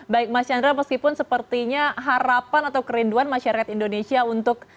baik mas chandra meskipun sepertinya harapan atau kerinduan masyarakat indonesia untuk